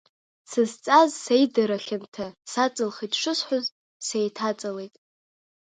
Сызҵаз сеидара хьанҭа саҵылхит шысҳәоз, сеиҭаҵалеит.